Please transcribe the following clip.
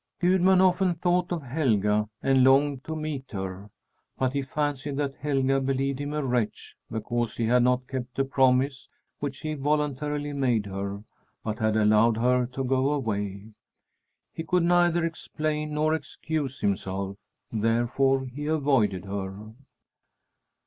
Gudmund often thought of Helga and longed to meet her. But he fancied that Helga believed him a wretch because he had not kept the promise which he voluntarily made her, but had allowed her to go away. He could neither explain nor excuse himself, therefore he avoided her.